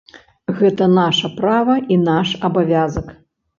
Гэта наша права і наш абавязак.